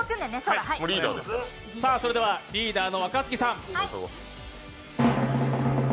それではリーダーの若槻さん。